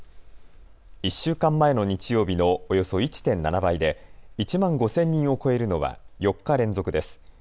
１週間前の日曜日のおよそ１．７倍で１万５０００人を超えるのは４日連続です。